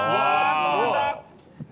どうなんだ？